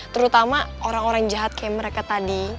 terutama orang orang jahat kayak mereka tadi